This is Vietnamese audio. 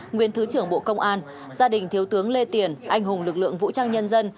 nguyên thứ trưởng bộ công an gia đình thiếu tướng lê tiền anh hùng lực lượng vũ trang nhân dân